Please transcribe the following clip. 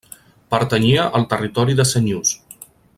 Pertanyia al territori de Senyús.